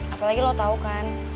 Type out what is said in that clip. apalagi lo tau kan